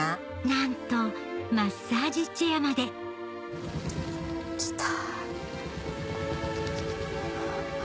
なんとマッサージチェアまできた。